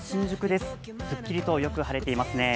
すっきりとよく晴れていますね。